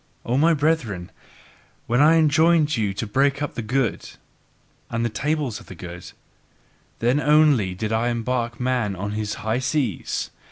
O my brethren, when I enjoined you to break up the good, and the tables of the good, then only did I embark man on his high seas.